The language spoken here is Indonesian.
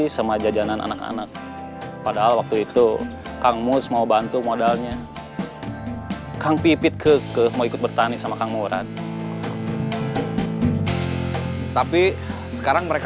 sampai jumpa di video selanjutnya